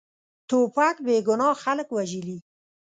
توپک بېګناه خلک وژلي.